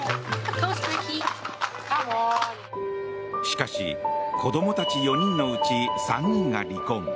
しかし、子供たち４人のうち３人が離婚。